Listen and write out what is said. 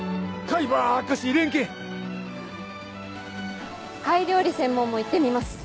貝料理専門も行ってみます。